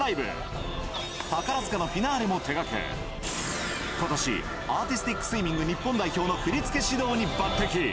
宝塚のフィナーレも手がけ、ことし、アーティスティックスイミング日本代表の振り付け指導に抜てき。